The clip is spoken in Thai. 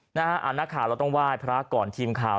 อันนั้นค่ะเราต้องไหว้พระก่อนทีมข่าว